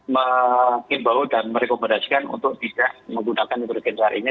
mengimbau dan merekomendasikan untuk tidak menggunakan nitrogen sehari ini